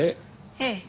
ええ。